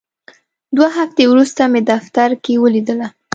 دوه هفتې وروسته مې دفتر کې ولیدله.